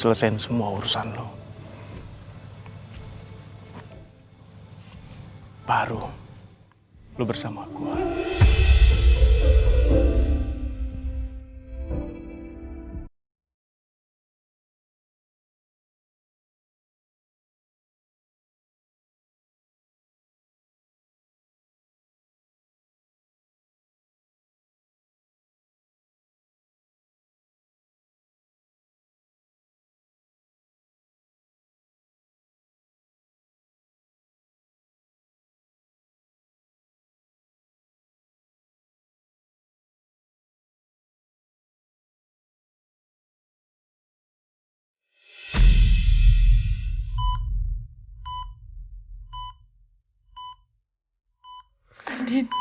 pekin asik umasik